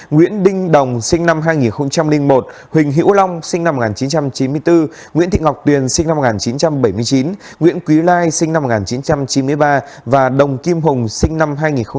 nguyễn đinh đồng sinh năm hai nghìn một huỳnh hữu long sinh năm một nghìn chín trăm chín mươi bốn nguyễn thị ngọc tuyền sinh năm một nghìn chín trăm bảy mươi chín nguyễn quý lai sinh năm một nghìn chín trăm chín mươi ba và đồng kim hùng sinh năm hai nghìn một mươi